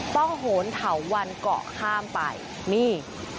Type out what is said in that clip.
โหนเถาวันเกาะข้ามไปนี่